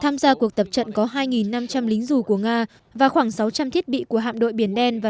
tham gia cuộc tập trận có hai năm trăm linh lính dù của nga và khoảng sáu trăm linh thiết bị của hạm đội biển đen và